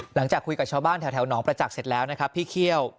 หลังจากคุยกับชาวบ้านแถวหนองประจักษ์เสร็จแล้วนะครับพี่เคี่ยว